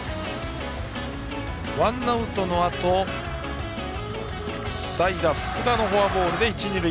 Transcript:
ワンアウトのあと代打、福田のフォアボールで一、二塁。